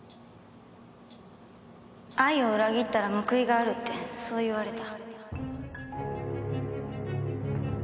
愛を裏切ったら報いがあるってそう言われた。